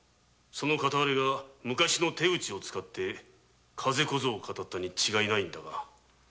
その片割れが昔の手口を使って風小僧をかたったに違いないんだが。